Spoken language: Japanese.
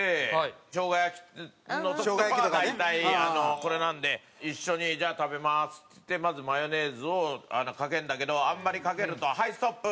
しょうが焼きの時とかは大体これなんで一緒に「じゃあ食べます」っつってまずマヨネーズをかけるんだけどあんまりかけると「はいストップ！